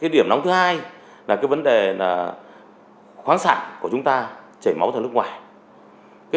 điểm nóng thứ hai là vấn đề khoáng sản của chúng ta chảy máu ra nước ngoài